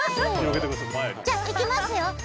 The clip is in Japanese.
じゃあいきますよ。